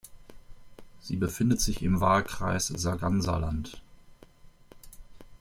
Sie befindet sich im Wahlkreis Sarganserland.